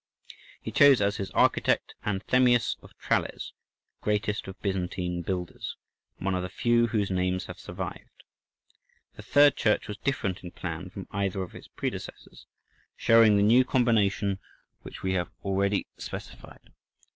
He chose as his architect Anthemius of Tralles, the greatest of Byzantine builders, and one of the few whose names have survived. The third church was different in plan from either of its predecessors, showing the new combination which we have already specified.